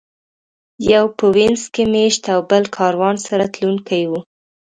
یو په وینز کې مېشت او بل کاروان سره تلونکی و.